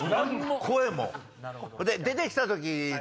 声も。